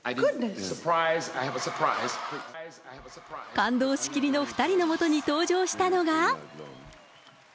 感動しきりの２人のもとに登場したのが。